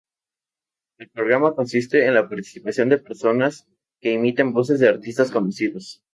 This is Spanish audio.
El programa consiste en la participación de personas que imitan voces de artistas conocidos.